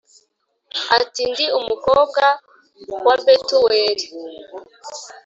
ati ndi umukobwa wa Betuweli